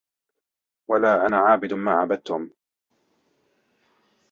وَلا أَنا عابِدٌ ما عَبَدتُم